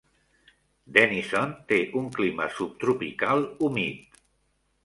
Denison té un clima subtropical humit.